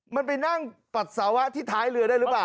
มันไปนั่งปัสสาวะที่ท้ายเรือได้หรือเปล่า